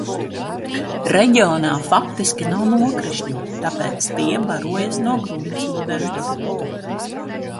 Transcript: Reģionā faktiski nav nokrišņu, tāpēc tie barojas no gruntsūdens.